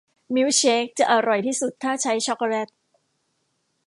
มิลค์เชคจะอร่อยที่สุดถ้าใช้ช็อคโกแล็ต